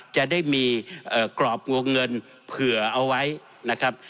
จะได้มีกรอบวงเงินเผื่อเอาไว้นะครับ